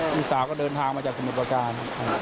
พี่สาวก็เดินทางมาจากสมุทรประการ